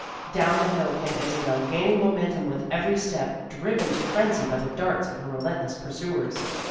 Down the hill came Isabel, gaining momen tum with every step, driven to frenzy by the darts of her relentless pursuers.